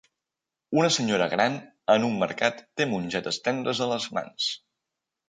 Una senyora gran en un mercat té mongetes tendres a les mans.